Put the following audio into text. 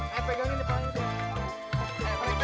kau betut ke belakang